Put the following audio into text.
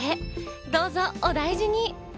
どうぞお大事に。